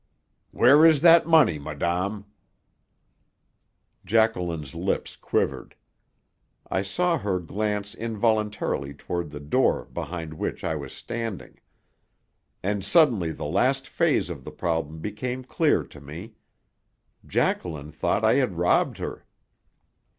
Where is that money, madame?" Jacqueline's lips quivered. I saw her glance involuntarily toward the door behind which I was standing. And suddenly the last phase of the problem became clear to me. Jacqueline thought I had robbed her.